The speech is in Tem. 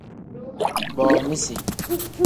Booniisi.